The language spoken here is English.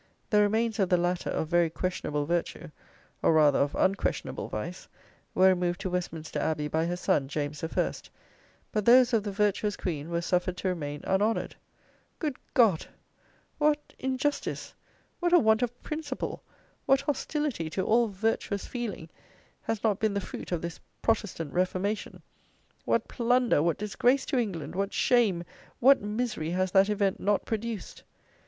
The remains of the latter, of very questionable virtue, or, rather, of unquestionable vice, were removed to Westminster Abbey by her son, James the First; but those of the virtuous Queen were suffered to remain unhonoured! Good God! what injustice, what a want of principle, what hostility to all virtuous feeling, has not been the fruit of this Protestant Reformation; what plunder, what disgrace to England, what shame, what misery, has that event not produced!